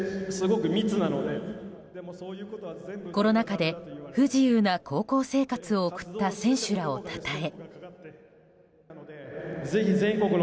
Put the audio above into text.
コロナ禍で不自由な高校生活を送った選手らをたたえ。